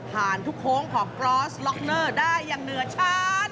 ทุกโค้งของกรอสล็อกเนอร์ได้อย่างเหนือชั้น